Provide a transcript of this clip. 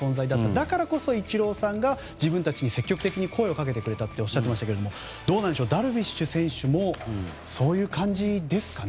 だからこそイチローさんが自分たちに積極的に声をかけてくれたとおっしゃっていましたがダルビッシュ選手もそういう感じですかね。